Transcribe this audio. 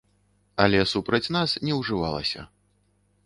Але супраць нас не ўжывалася.